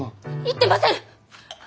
言ってません！